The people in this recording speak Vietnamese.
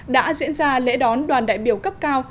đã diễn ra lễ đón đoàn đại biểu cấp cao